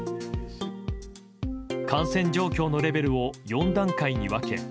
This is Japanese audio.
感染状況のレベルを４段階に分け